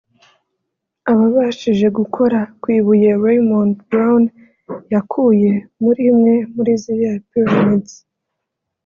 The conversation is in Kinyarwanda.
Ababashije gukora ku ibuye Raymond Brown yakuye muri imwe muri ziriya Pyramides